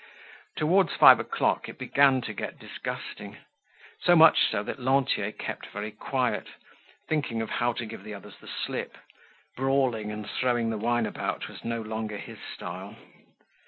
Towards five o'clock it began to get disgusting, so much so that Lantier kept very quiet, thinking of how to give the others the slip; brawling and throwing the wine about was no longer his style.